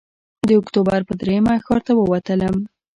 د اکتوبر پر درېیمه ښار ته ووتلم.